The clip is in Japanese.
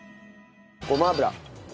ごま油。